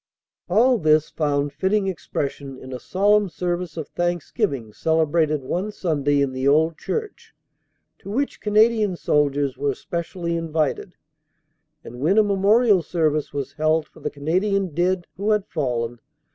All this found fitting expression in a solemn service of thanksgiving celebrated one Sunday in the old church, to which Canadian soldiers were specially invited, and when a memorial service was held for the Canadian dead who had fallen.